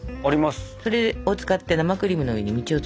それを使って生クリームの上に道を作ると。